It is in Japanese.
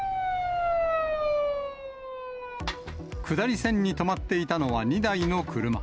下り線に止まっていたのは、２台の車。